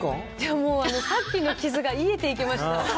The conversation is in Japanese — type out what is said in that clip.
もうさっきの傷が癒えていきました。